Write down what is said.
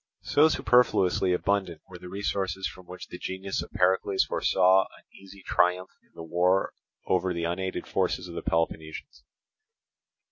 So superfluously abundant were the resources from which the genius of Pericles foresaw an easy triumph in the war over the unaided forces of the Peloponnesians.